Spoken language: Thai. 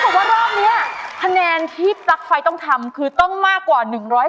บอกว่ารอบนี้คะแนนที่ปลั๊กไฟต้องทำคือต้องมากกว่า๑๕